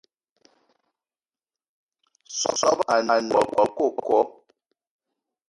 Soobo a ne woua coco